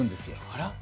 あら？